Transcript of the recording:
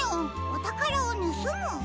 おたからをぬすむ」？